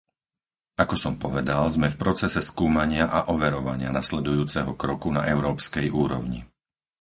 Ako som povedal, sme v procese skúmania a overovania nasledujúceho kroku na európskej úrovni.